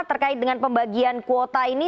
terkait dengan pembagian kuota ini